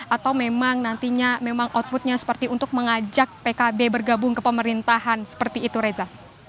atau memang nantinya memang outputnya seperti untuk mengajak pkb bergabung ke pemerintahan seperti itu reza